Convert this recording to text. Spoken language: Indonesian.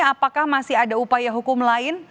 apakah masih ada upaya hukum lain